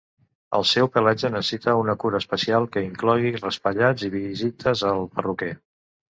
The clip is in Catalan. El seu pelatge necessita una cura especial, que inclogui raspallats i visites al perruquer.